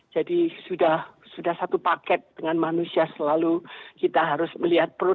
jadi sudah satu paket dengan manusia selalu kita harus melihat perubahan